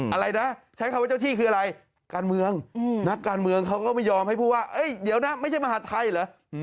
อะไรนะใช้คำว่าเจ้าที่คืออะไรการเมืองนักการเมืองเขาก็ไม่ยอมให้พูดว่าเดี๋ยวนะไม่ใช่มหาดไทยเหรอ